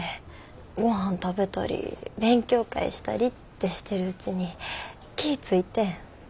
ごはん食べたり勉強会したりってしてるうちに気ぃ付いてん。